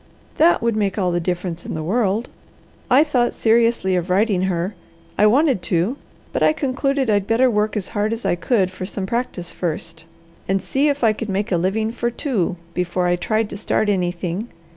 "That would make all the difference in the world. I thought seriously of writing her. I wanted to, but I concluded I'd better work as hard as I could for some practice first, and see if I could make a living for two, before I tried to start anything.